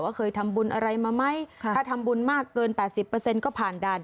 ว่าเคยทำบุญอะไรมาไหมค่ะถ้าทำบุญมากเกินแปดสิบเปอร์เซ็นต์ก็ผ่านด่าน